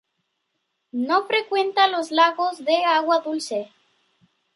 No frecuenta los lagos de agua dulce.